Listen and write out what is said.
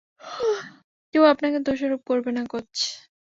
কেউ আপনাকে দোষারোপ করবে না, কোচ।